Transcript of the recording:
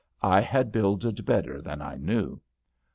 I had builded better than I knew.